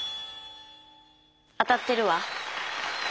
当たってるわ。